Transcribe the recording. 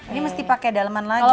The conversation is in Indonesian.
ini mesti pakai daleman lagi ya